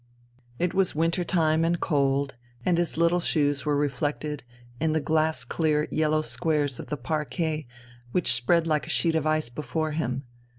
It was winter time and cold, his little shoes were reflected in the glass clear yellow squares of the parquet which spread like a sheet of ice before him.